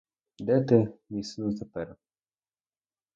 Де ти, мій сину, тепер?